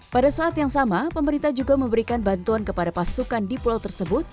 pada saat yang sama pemerintah juga memberikan bantuan kepada pasukan di pulau tersebut